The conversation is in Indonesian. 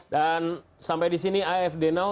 sampai di sini afd now